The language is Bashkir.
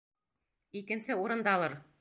Икенсе урындалыр.